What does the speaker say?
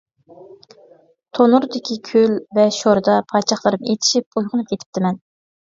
تونۇردىكى كۈل ۋە شوردا پاچاقلىرىم ئېچىشىپ ئويغىنىپ كېتىپتىمەن.